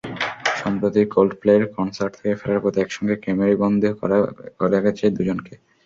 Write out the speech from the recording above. সম্প্রতি ক্লোল্ডপ্লের কনসার্ট থেকে ফেরার পথে একসঙ্গে ক্যামেরাবন্দী করা গেছে দুজনকে।